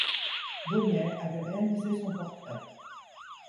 Baugniet avait réalisé son portrait.